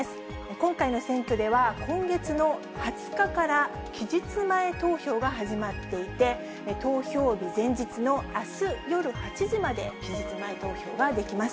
今回の選挙では、今月の２０日から、期日前投票が始まっていて、投票日前日のあす夜８時まで期日前投票ができます。